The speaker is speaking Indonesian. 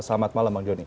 selamat malam bang joni